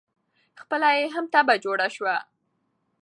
خپله یې هم تبعه جوړه شوه.